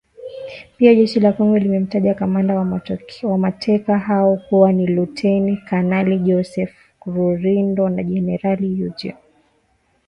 Pia, jeshi la Kongo limemtaja kamanda wa mateka hao kuwa ni Luteni Kanali Joseph Rurindo na Generali Eugene Nkubito, kutoka kambi ya kijeshi